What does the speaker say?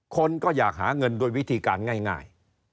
คนก็อยากหาเงินโดยวิธีการง่าย